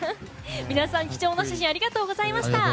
皆さん貴重な写真ありがとうございました。